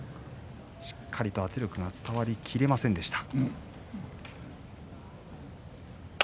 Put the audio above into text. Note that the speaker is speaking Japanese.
しっかりと圧力が伝わり切りませんでした。